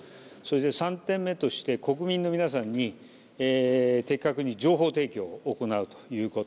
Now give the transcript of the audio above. ３点目として国民の皆さんに的確に情報提供を行うということ。